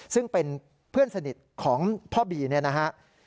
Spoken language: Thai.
ซึ่งเป็นเพื่อนสนิทของพ่อบีเนี่ยนะฮะ